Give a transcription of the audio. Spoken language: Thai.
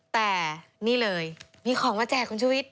แต่นี่เลยมีของมาแจกคุณชุวิต